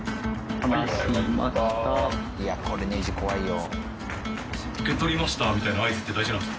いやこれネジ怖いよ。